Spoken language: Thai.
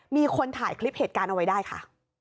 มีคนถ่ายคลิปเหตุการณ์เอาไว้ได้ค่ะ